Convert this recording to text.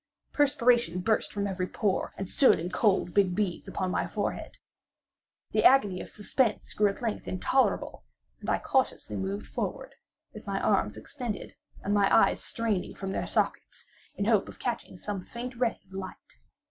Perspiration burst from every pore, and stood in cold big beads upon my forehead. The agony of suspense grew at length intolerable, and I cautiously moved forward, with my arms extended, and my eyes straining from their sockets, in the hope of catching some faint ray of light.